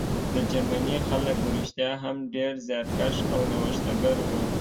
د جرمني خلک رښتیا هم ډېر زیارکښ او نوښتګر وو